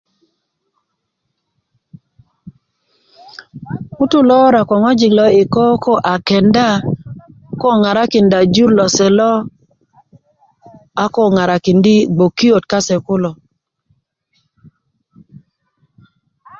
ŋutuu lo wora ko ŋoji lo iik ko ko a kenda ko Aŋarakinda jur lose lo a koo ŋarakindi' gbokiyot kase kulo